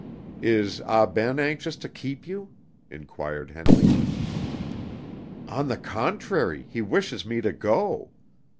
"Is Ah Ben anxious to keep you?" inquired Henley. "On the contrary, he wishes me to go.